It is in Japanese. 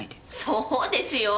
そうですよ。